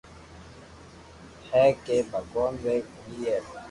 ھي ڪي ڀگوان ڪي ملئي